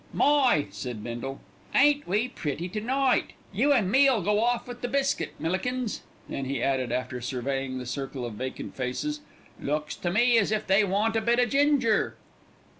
"My!" said Bindle, "ain't we pretty to night. You an' me'll go off with the biscuit, Millikins." Then he added, after surveying the circle of vacant faces, "Looks to me as if they want a bit o' ginger.